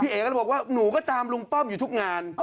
เอ๋ก็เลยบอกว่าหนูก็ตามลุงป้อมอยู่ทุกงาน